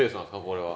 これは。